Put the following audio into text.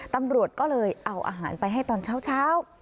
ตำรวจก็เลยเอาอาหารไปให้ตอนเช้า